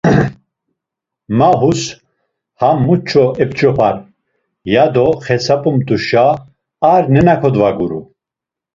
Ma hus ham muç̌o epç̌opar, ya do xesap̌umt̆uşa ar nena kodvaguru.